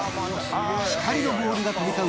光のボールが飛び交う